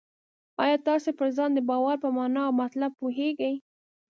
آیا تاسې پر ځان د باور په مانا او مطلب پوهېږئ؟